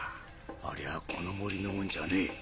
ありゃあこの森のもんじゃねえ。